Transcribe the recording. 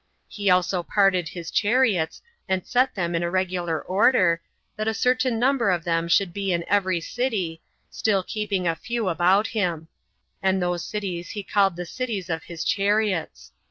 He also parted his chariots, and set them in a regular order, that a certain number of them should be in every city, still keeping a few about him; and those cities he called the cities of his chariots.